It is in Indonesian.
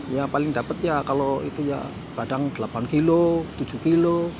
ya paling dapat ya kalau itu ya kadang delapan kilo tujuh kilo